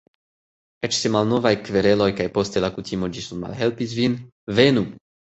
Eĉ se malnovaj kvereloj kaj poste la kutimo ĝis nun malhelpis vin: Venu!